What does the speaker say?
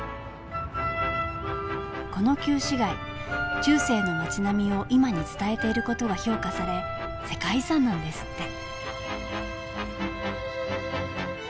この旧市街中世の町並みを今に伝えていることが評価され世界遺産なんですって。